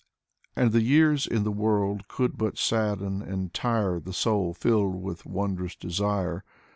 And the years in the world could but sadden and tire The soul filled with wondrous desire.